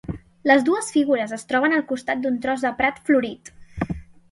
Les dues figures es troben al costat d'un tros de prat florit.